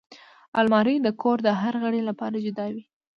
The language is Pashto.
الماري د کور د هر غړي لپاره جدا وي